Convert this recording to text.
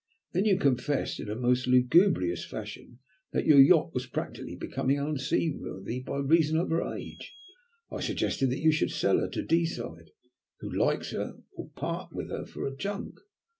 Then you confessed in a most lugubrious fashion that your yacht was practically becoming unseaworthy by reason of her age. I suggested that you should sell her to Deeside, who likes her, or part with her for a junk.